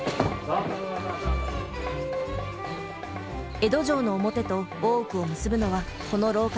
江戸城の表と大奥を結ぶのはこの廊下のみ。